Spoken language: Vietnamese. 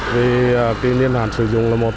vì niên hạn sử dụng là một